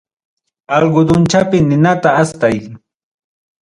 Algodonchapi ninata astay.